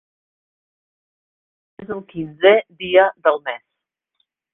És el quinzè dia del mes.